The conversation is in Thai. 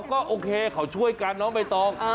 ก็โอเคเขาช่วยกันเนาะไม่ต้อง